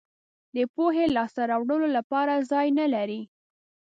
د پوهې لاسته راوړلو لپاره ځای نه لرئ.